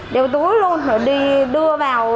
đeo túi luôn rồi đi đưa vào